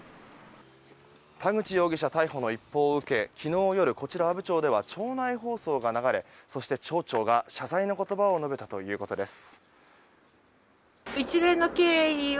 田口容疑者逮捕の一報を受け昨日夜、こちら阿武町では町内放送が流れそして、町長が謝罪の言葉を述べたということです。